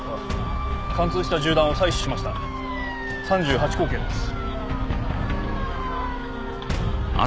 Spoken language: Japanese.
貫通した銃弾を採取しました３８口径です